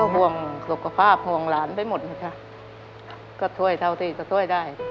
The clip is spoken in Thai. ห่วงสุขภาพห่วงหลานไปหมดเลยค่ะก็ช่วยเท่าที่จะช่วยได้